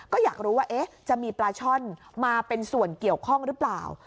ก็อยากรู้ว่าจะมีปลาช่อนมาเป็นส่วนเกี่ยวข้องหรือเปล่า